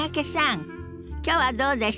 きょうはどうでした？